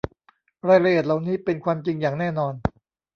รายละเอียดเหล่านี้เป็นความจริงอย่างแน่นอน